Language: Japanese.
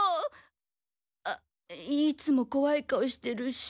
あいつもこわい顔してるし。